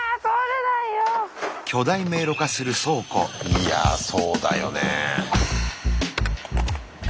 いやそうだよね。